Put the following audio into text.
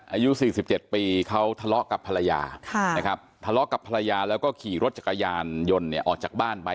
อายุ๔๗ปีเขาทะเลาะกับภรรยานะครับทะเลาะกับภรรยาแล้วก็ขี่รถจักรยานยนต์เนี่ยออกจากบ้านไป